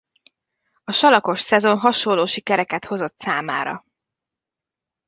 A salakos szezon hasonló sikereket hozott számára.